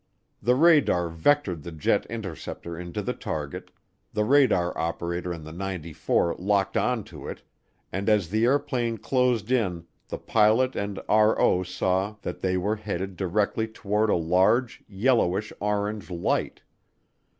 The radar vectored the jet interceptor into the target, the radar operator in the '94 locked on to it, and as the airplane closed in the pilot and RO saw that they were headed directly toward a large, yellowish orange light.